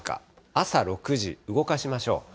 朝６時、動かしましょう。